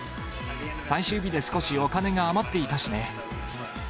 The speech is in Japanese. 最終日で少しお金が余っていたしね。